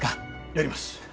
やります。